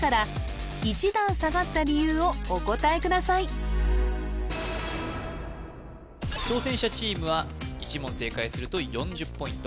それでは挑戦者チームは１問正解すると４０ポイント